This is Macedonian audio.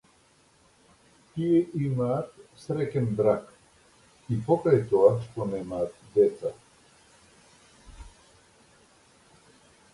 Тие имаат среќен брак, и покрај тоа што немаат деца.